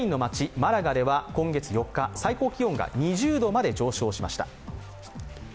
マラガでは今月４日、最高気温が２０度まで上昇しました。